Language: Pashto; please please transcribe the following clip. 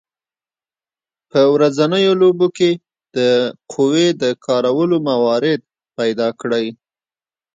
په ورځنیو لوبو کې د قوې د کارولو موارد پیداکړئ.